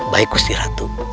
baik gusti ratu